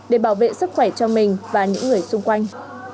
để bảo vệ sức khỏe cho mình và những người xung quanh